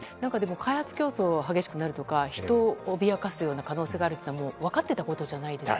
開発競争が激しくなるとか人を脅かすような可能性があることは分かっていたことじゃないですか。